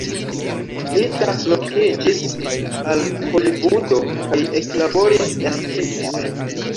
Li translokiĝis al Holivudo kaj eklaboris en filmoj.